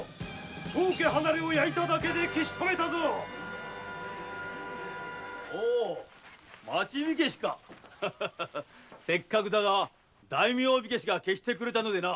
当家の「離れ」を焼いただけで消し止めたぞ「町火消」かせっかくだが「大名火消」が消してくれたのでな。